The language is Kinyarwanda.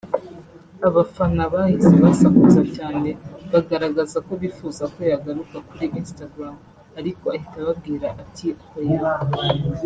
Abafana bahise basakuza cyane bagaragaza ko bifuza ko yagaruka kuri Instagram ariko ahita ababwira ati “hoya